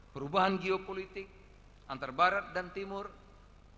perubahan geopolitik antarbarat dan negara